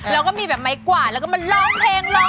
แดนเข้าไปให้มันหล่นโล่